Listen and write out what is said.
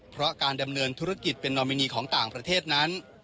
เพราะการดำเนินธุรกิจเป็นนอมินีของต่างประเทศนั้น